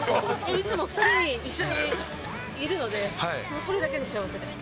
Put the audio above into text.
いつも２人と一緒にいるので、それだけで幸せです。